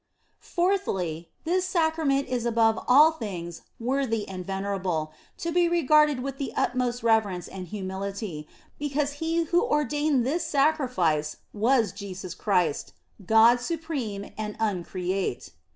Fourthly, this Sacrament is above all things worthy and venerable, to be regarded with the utmost reverence and humility, because He who ordained this sacrifice was Jesus Christ, God supreme and uncreate.